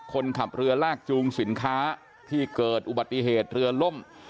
คนขับเรือลากจูงสินค้าที่เกิดอุบัติเหตุเรือล่ม